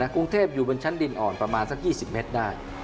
กรุงเทพอยู่บนชั้นดินอ่อนประมาณสัก๒๐เมตรได้